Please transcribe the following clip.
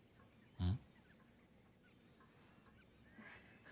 うん。